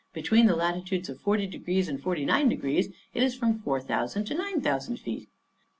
Between the latitudes of forty degrees and forty nine degrees it is from four thousand to nine thousand feet."